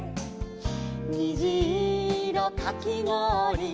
「にじいろかきごおり」